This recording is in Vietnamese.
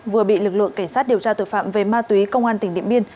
vừa bị lực lượng cảnh sát điều tra tội phạm về ma túy công an tỉnh điện biên